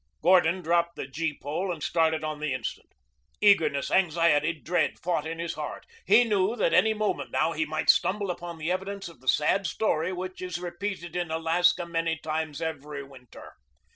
Gordon dropped the gee pole and started on the instant. Eagerness, anxiety, dread fought in his heart. He knew that any moment now he might stumble upon the evidence of the sad story which is repeated in Alaska many times every winter.